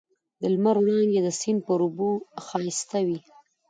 د لمر وړانګې د سیند پر اوبو ښایسته وې.